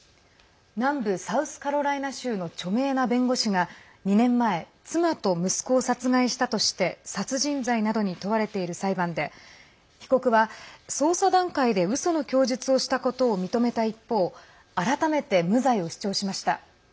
南部サウスカロライナ州の著名な弁護士が２年前妻と息子を殺害したとして殺人罪などに問われている裁判で被告は捜査段階で、うその供述をしたことを認めた一方改めて無罪を主張しました。